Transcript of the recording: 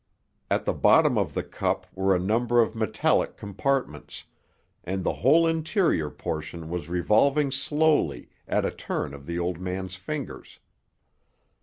At the bottom of the cup were a number of metallic compartments, and the whole interior portion was revolving slowly at a turn of the old man's fingers.